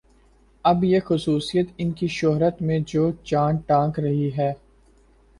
اب یہ خصوصیت ان کی شہرت میں جو چاند ٹانک رہی ہے